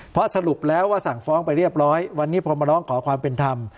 เพราะสรุปแล้วว่าสั่งฟ้องไปเรียบร้อยวันนี้พอมาร้องขอความเป็นธรรม